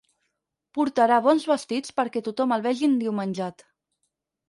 Portarà bons vestits perquè tothom el vegi endiumenjat.